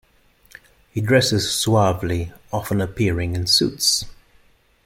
He dresses suavely, often appearing in suits.